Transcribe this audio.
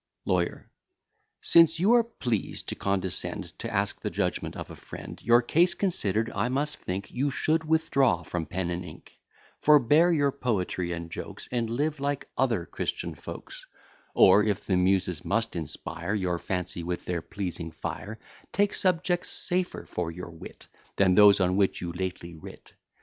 LAWYER Since you are pleased to condescend To ask the judgment of a friend, Your case consider'd, I must think You should withdraw from pen and ink, Forbear your poetry and jokes, And live like other Christian folks; Or if the Muses must inspire Your fancy with their pleasing fire, Take subjects safer for your wit Than those on which you lately writ.